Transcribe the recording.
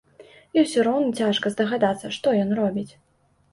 І ўсё роўна цяжка здагадацца, што ён робіць.